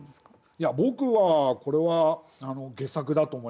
いや僕はこれは下策だと思います。